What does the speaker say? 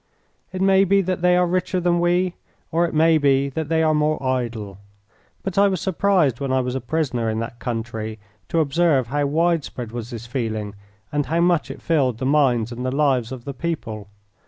It may be that they are richer than we, or it may be that they are more idle: but I was surprised when I was a prisoner in that country to observe how widespread was this feeling, and how much it filled the minds and the lives of the people.